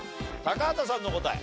高畑さんの答え。